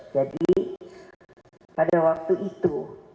jadi pada waktu itu